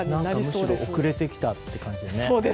むしろ遅れてきたって感じでね。